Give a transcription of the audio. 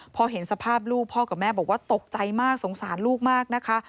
พอเห็นสภาพลูกพ่อกับแม่บอกว่าตกใจมากสงสารลูกมากนะคะ